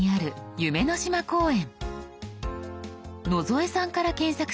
「夢の島公園」。